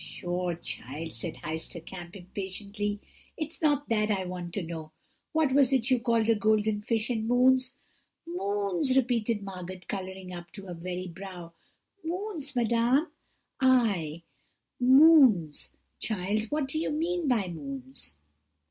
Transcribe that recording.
"'Pshaw, child,' said Heister Kamp impatiently; 'it is not that I want to know. What was it you called a golden fish and moons?' "'Moons!' repeated Margot, colouring up to her very brow, 'moons, madame?' "'Ay, moons, child. What do you mean by moons?'